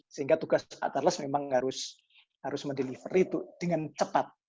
sehingga tugas atlas memang harus mendeliver itu dengan cepat